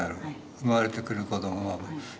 生まれてくる子どもも危ない。